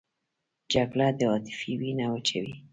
جګړه د عاطفې وینه وچوي